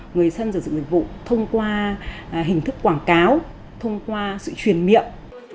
người dân sử dụng dịch vụ thông qua hình thức quảng cáo thông qua sự truyền miệng